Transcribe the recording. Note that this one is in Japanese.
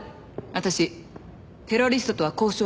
私テロリストとは交渉しないの。